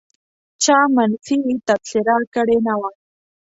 چا منفي تبصره کړې نه وه.